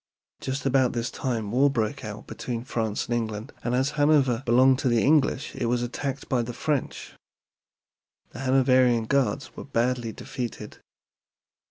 Just about this time war broke out between France and England, and as Hanover belonged to the English it was attacked by the French. The Hanoverian Guards were badly defeated.